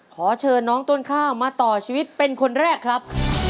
ขอเชิญน้องต้นข้าวมาต่อชีวิตเป็นคนแรกครับ